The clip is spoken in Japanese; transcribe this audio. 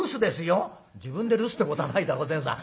「自分で留守ってことはないだろ善さん。